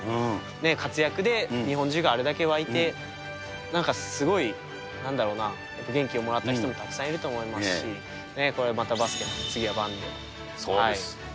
活躍で日本中があれだけ沸いて、なんかすごい、なんだろうな、元気をもらった人もたくさんいると思いますし、そうです。